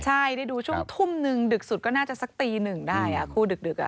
ใช่ได้ดูช่วงทุ่มหนึ่งดึกสุดก็น่าจะสักตีหนึ่งได้คู่ดึก